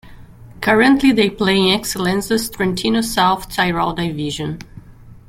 Currently they play in "Eccellenza"'s Trentino-South Tyrol division.